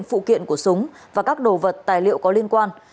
phụ kiện của súng và các đồ vật tài liệu có liên quan